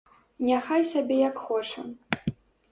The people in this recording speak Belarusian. Няхай сабе як хоча.